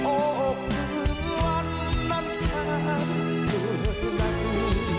โอ้คืนวันนั้นสักเมื่อแล้ว